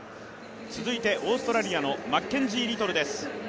続いてオーストラリアのマッケンジー・リトルです。